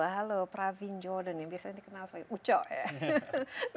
halo pravin jordan yang biasanya dikenal sebagai uco ya